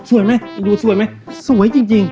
ไหมดูสวยไหมสวยจริง